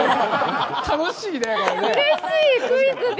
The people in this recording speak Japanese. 楽しいねえ。